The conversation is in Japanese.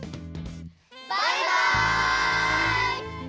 バイバイ！